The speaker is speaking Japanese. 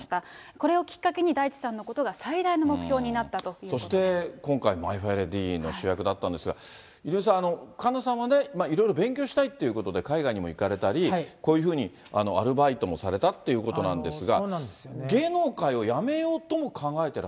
これをきっかけに大地さんのことが最大の目標になったということそして今回マイ・フェア・レディの主役だったんですが、井上さん、神田さんはね、いろいろ勉強したいってことで海外にも行かれたり、こういうふうにアルバイトもされたっていうことなんですが。